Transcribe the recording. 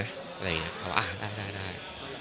อะไรอย่างนี้เขาว่าอ่ะได้